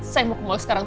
saya mau ke mall sekarang